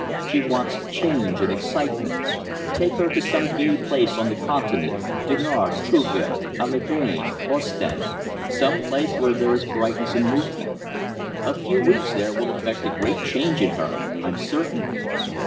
"She wants change and excitement. Take her to some gay place on the Continent Dinard, Trouville, Aix les Bains, Ostend some place where there is brightness and movement. A few weeks there will effect a great change in her, I'm certain."